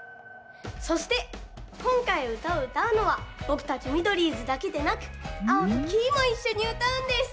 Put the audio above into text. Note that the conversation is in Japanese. そしてこんかいうたをうたうのはぼくたちミドリーズだけでなくアオとキイもいっしょにうたうんです。